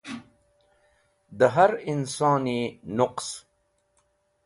Dẽ har insone nuqs.